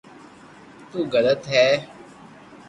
تو غلط ھي